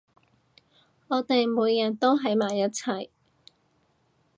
我哋每一日都喺埋一齊